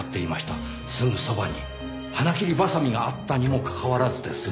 すぐそばに花切りバサミがあったにもかかわらずです。